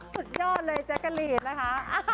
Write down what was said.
สุดยอดเลยแจ๊กกะลีนนะคะ